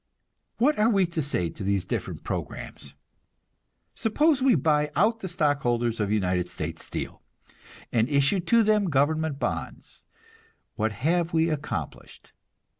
What are we to say to these different programs? Suppose we buy out the stockholders of United States Steel, and issue to them government bonds, what have we accomplished?